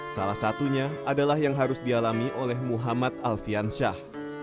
salah satunya adalah yang harus dialami oleh muhammad alfian syah